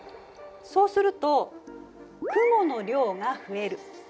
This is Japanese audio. そうすると雲の量が増える。